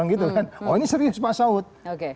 dan kita juga benar semua ande